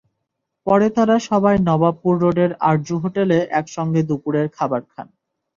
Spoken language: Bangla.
পরে তাঁরা সবাই নবাবপুর রোডের আরজু হোটেলে একসঙ্গে দুপুরের খাবার খান।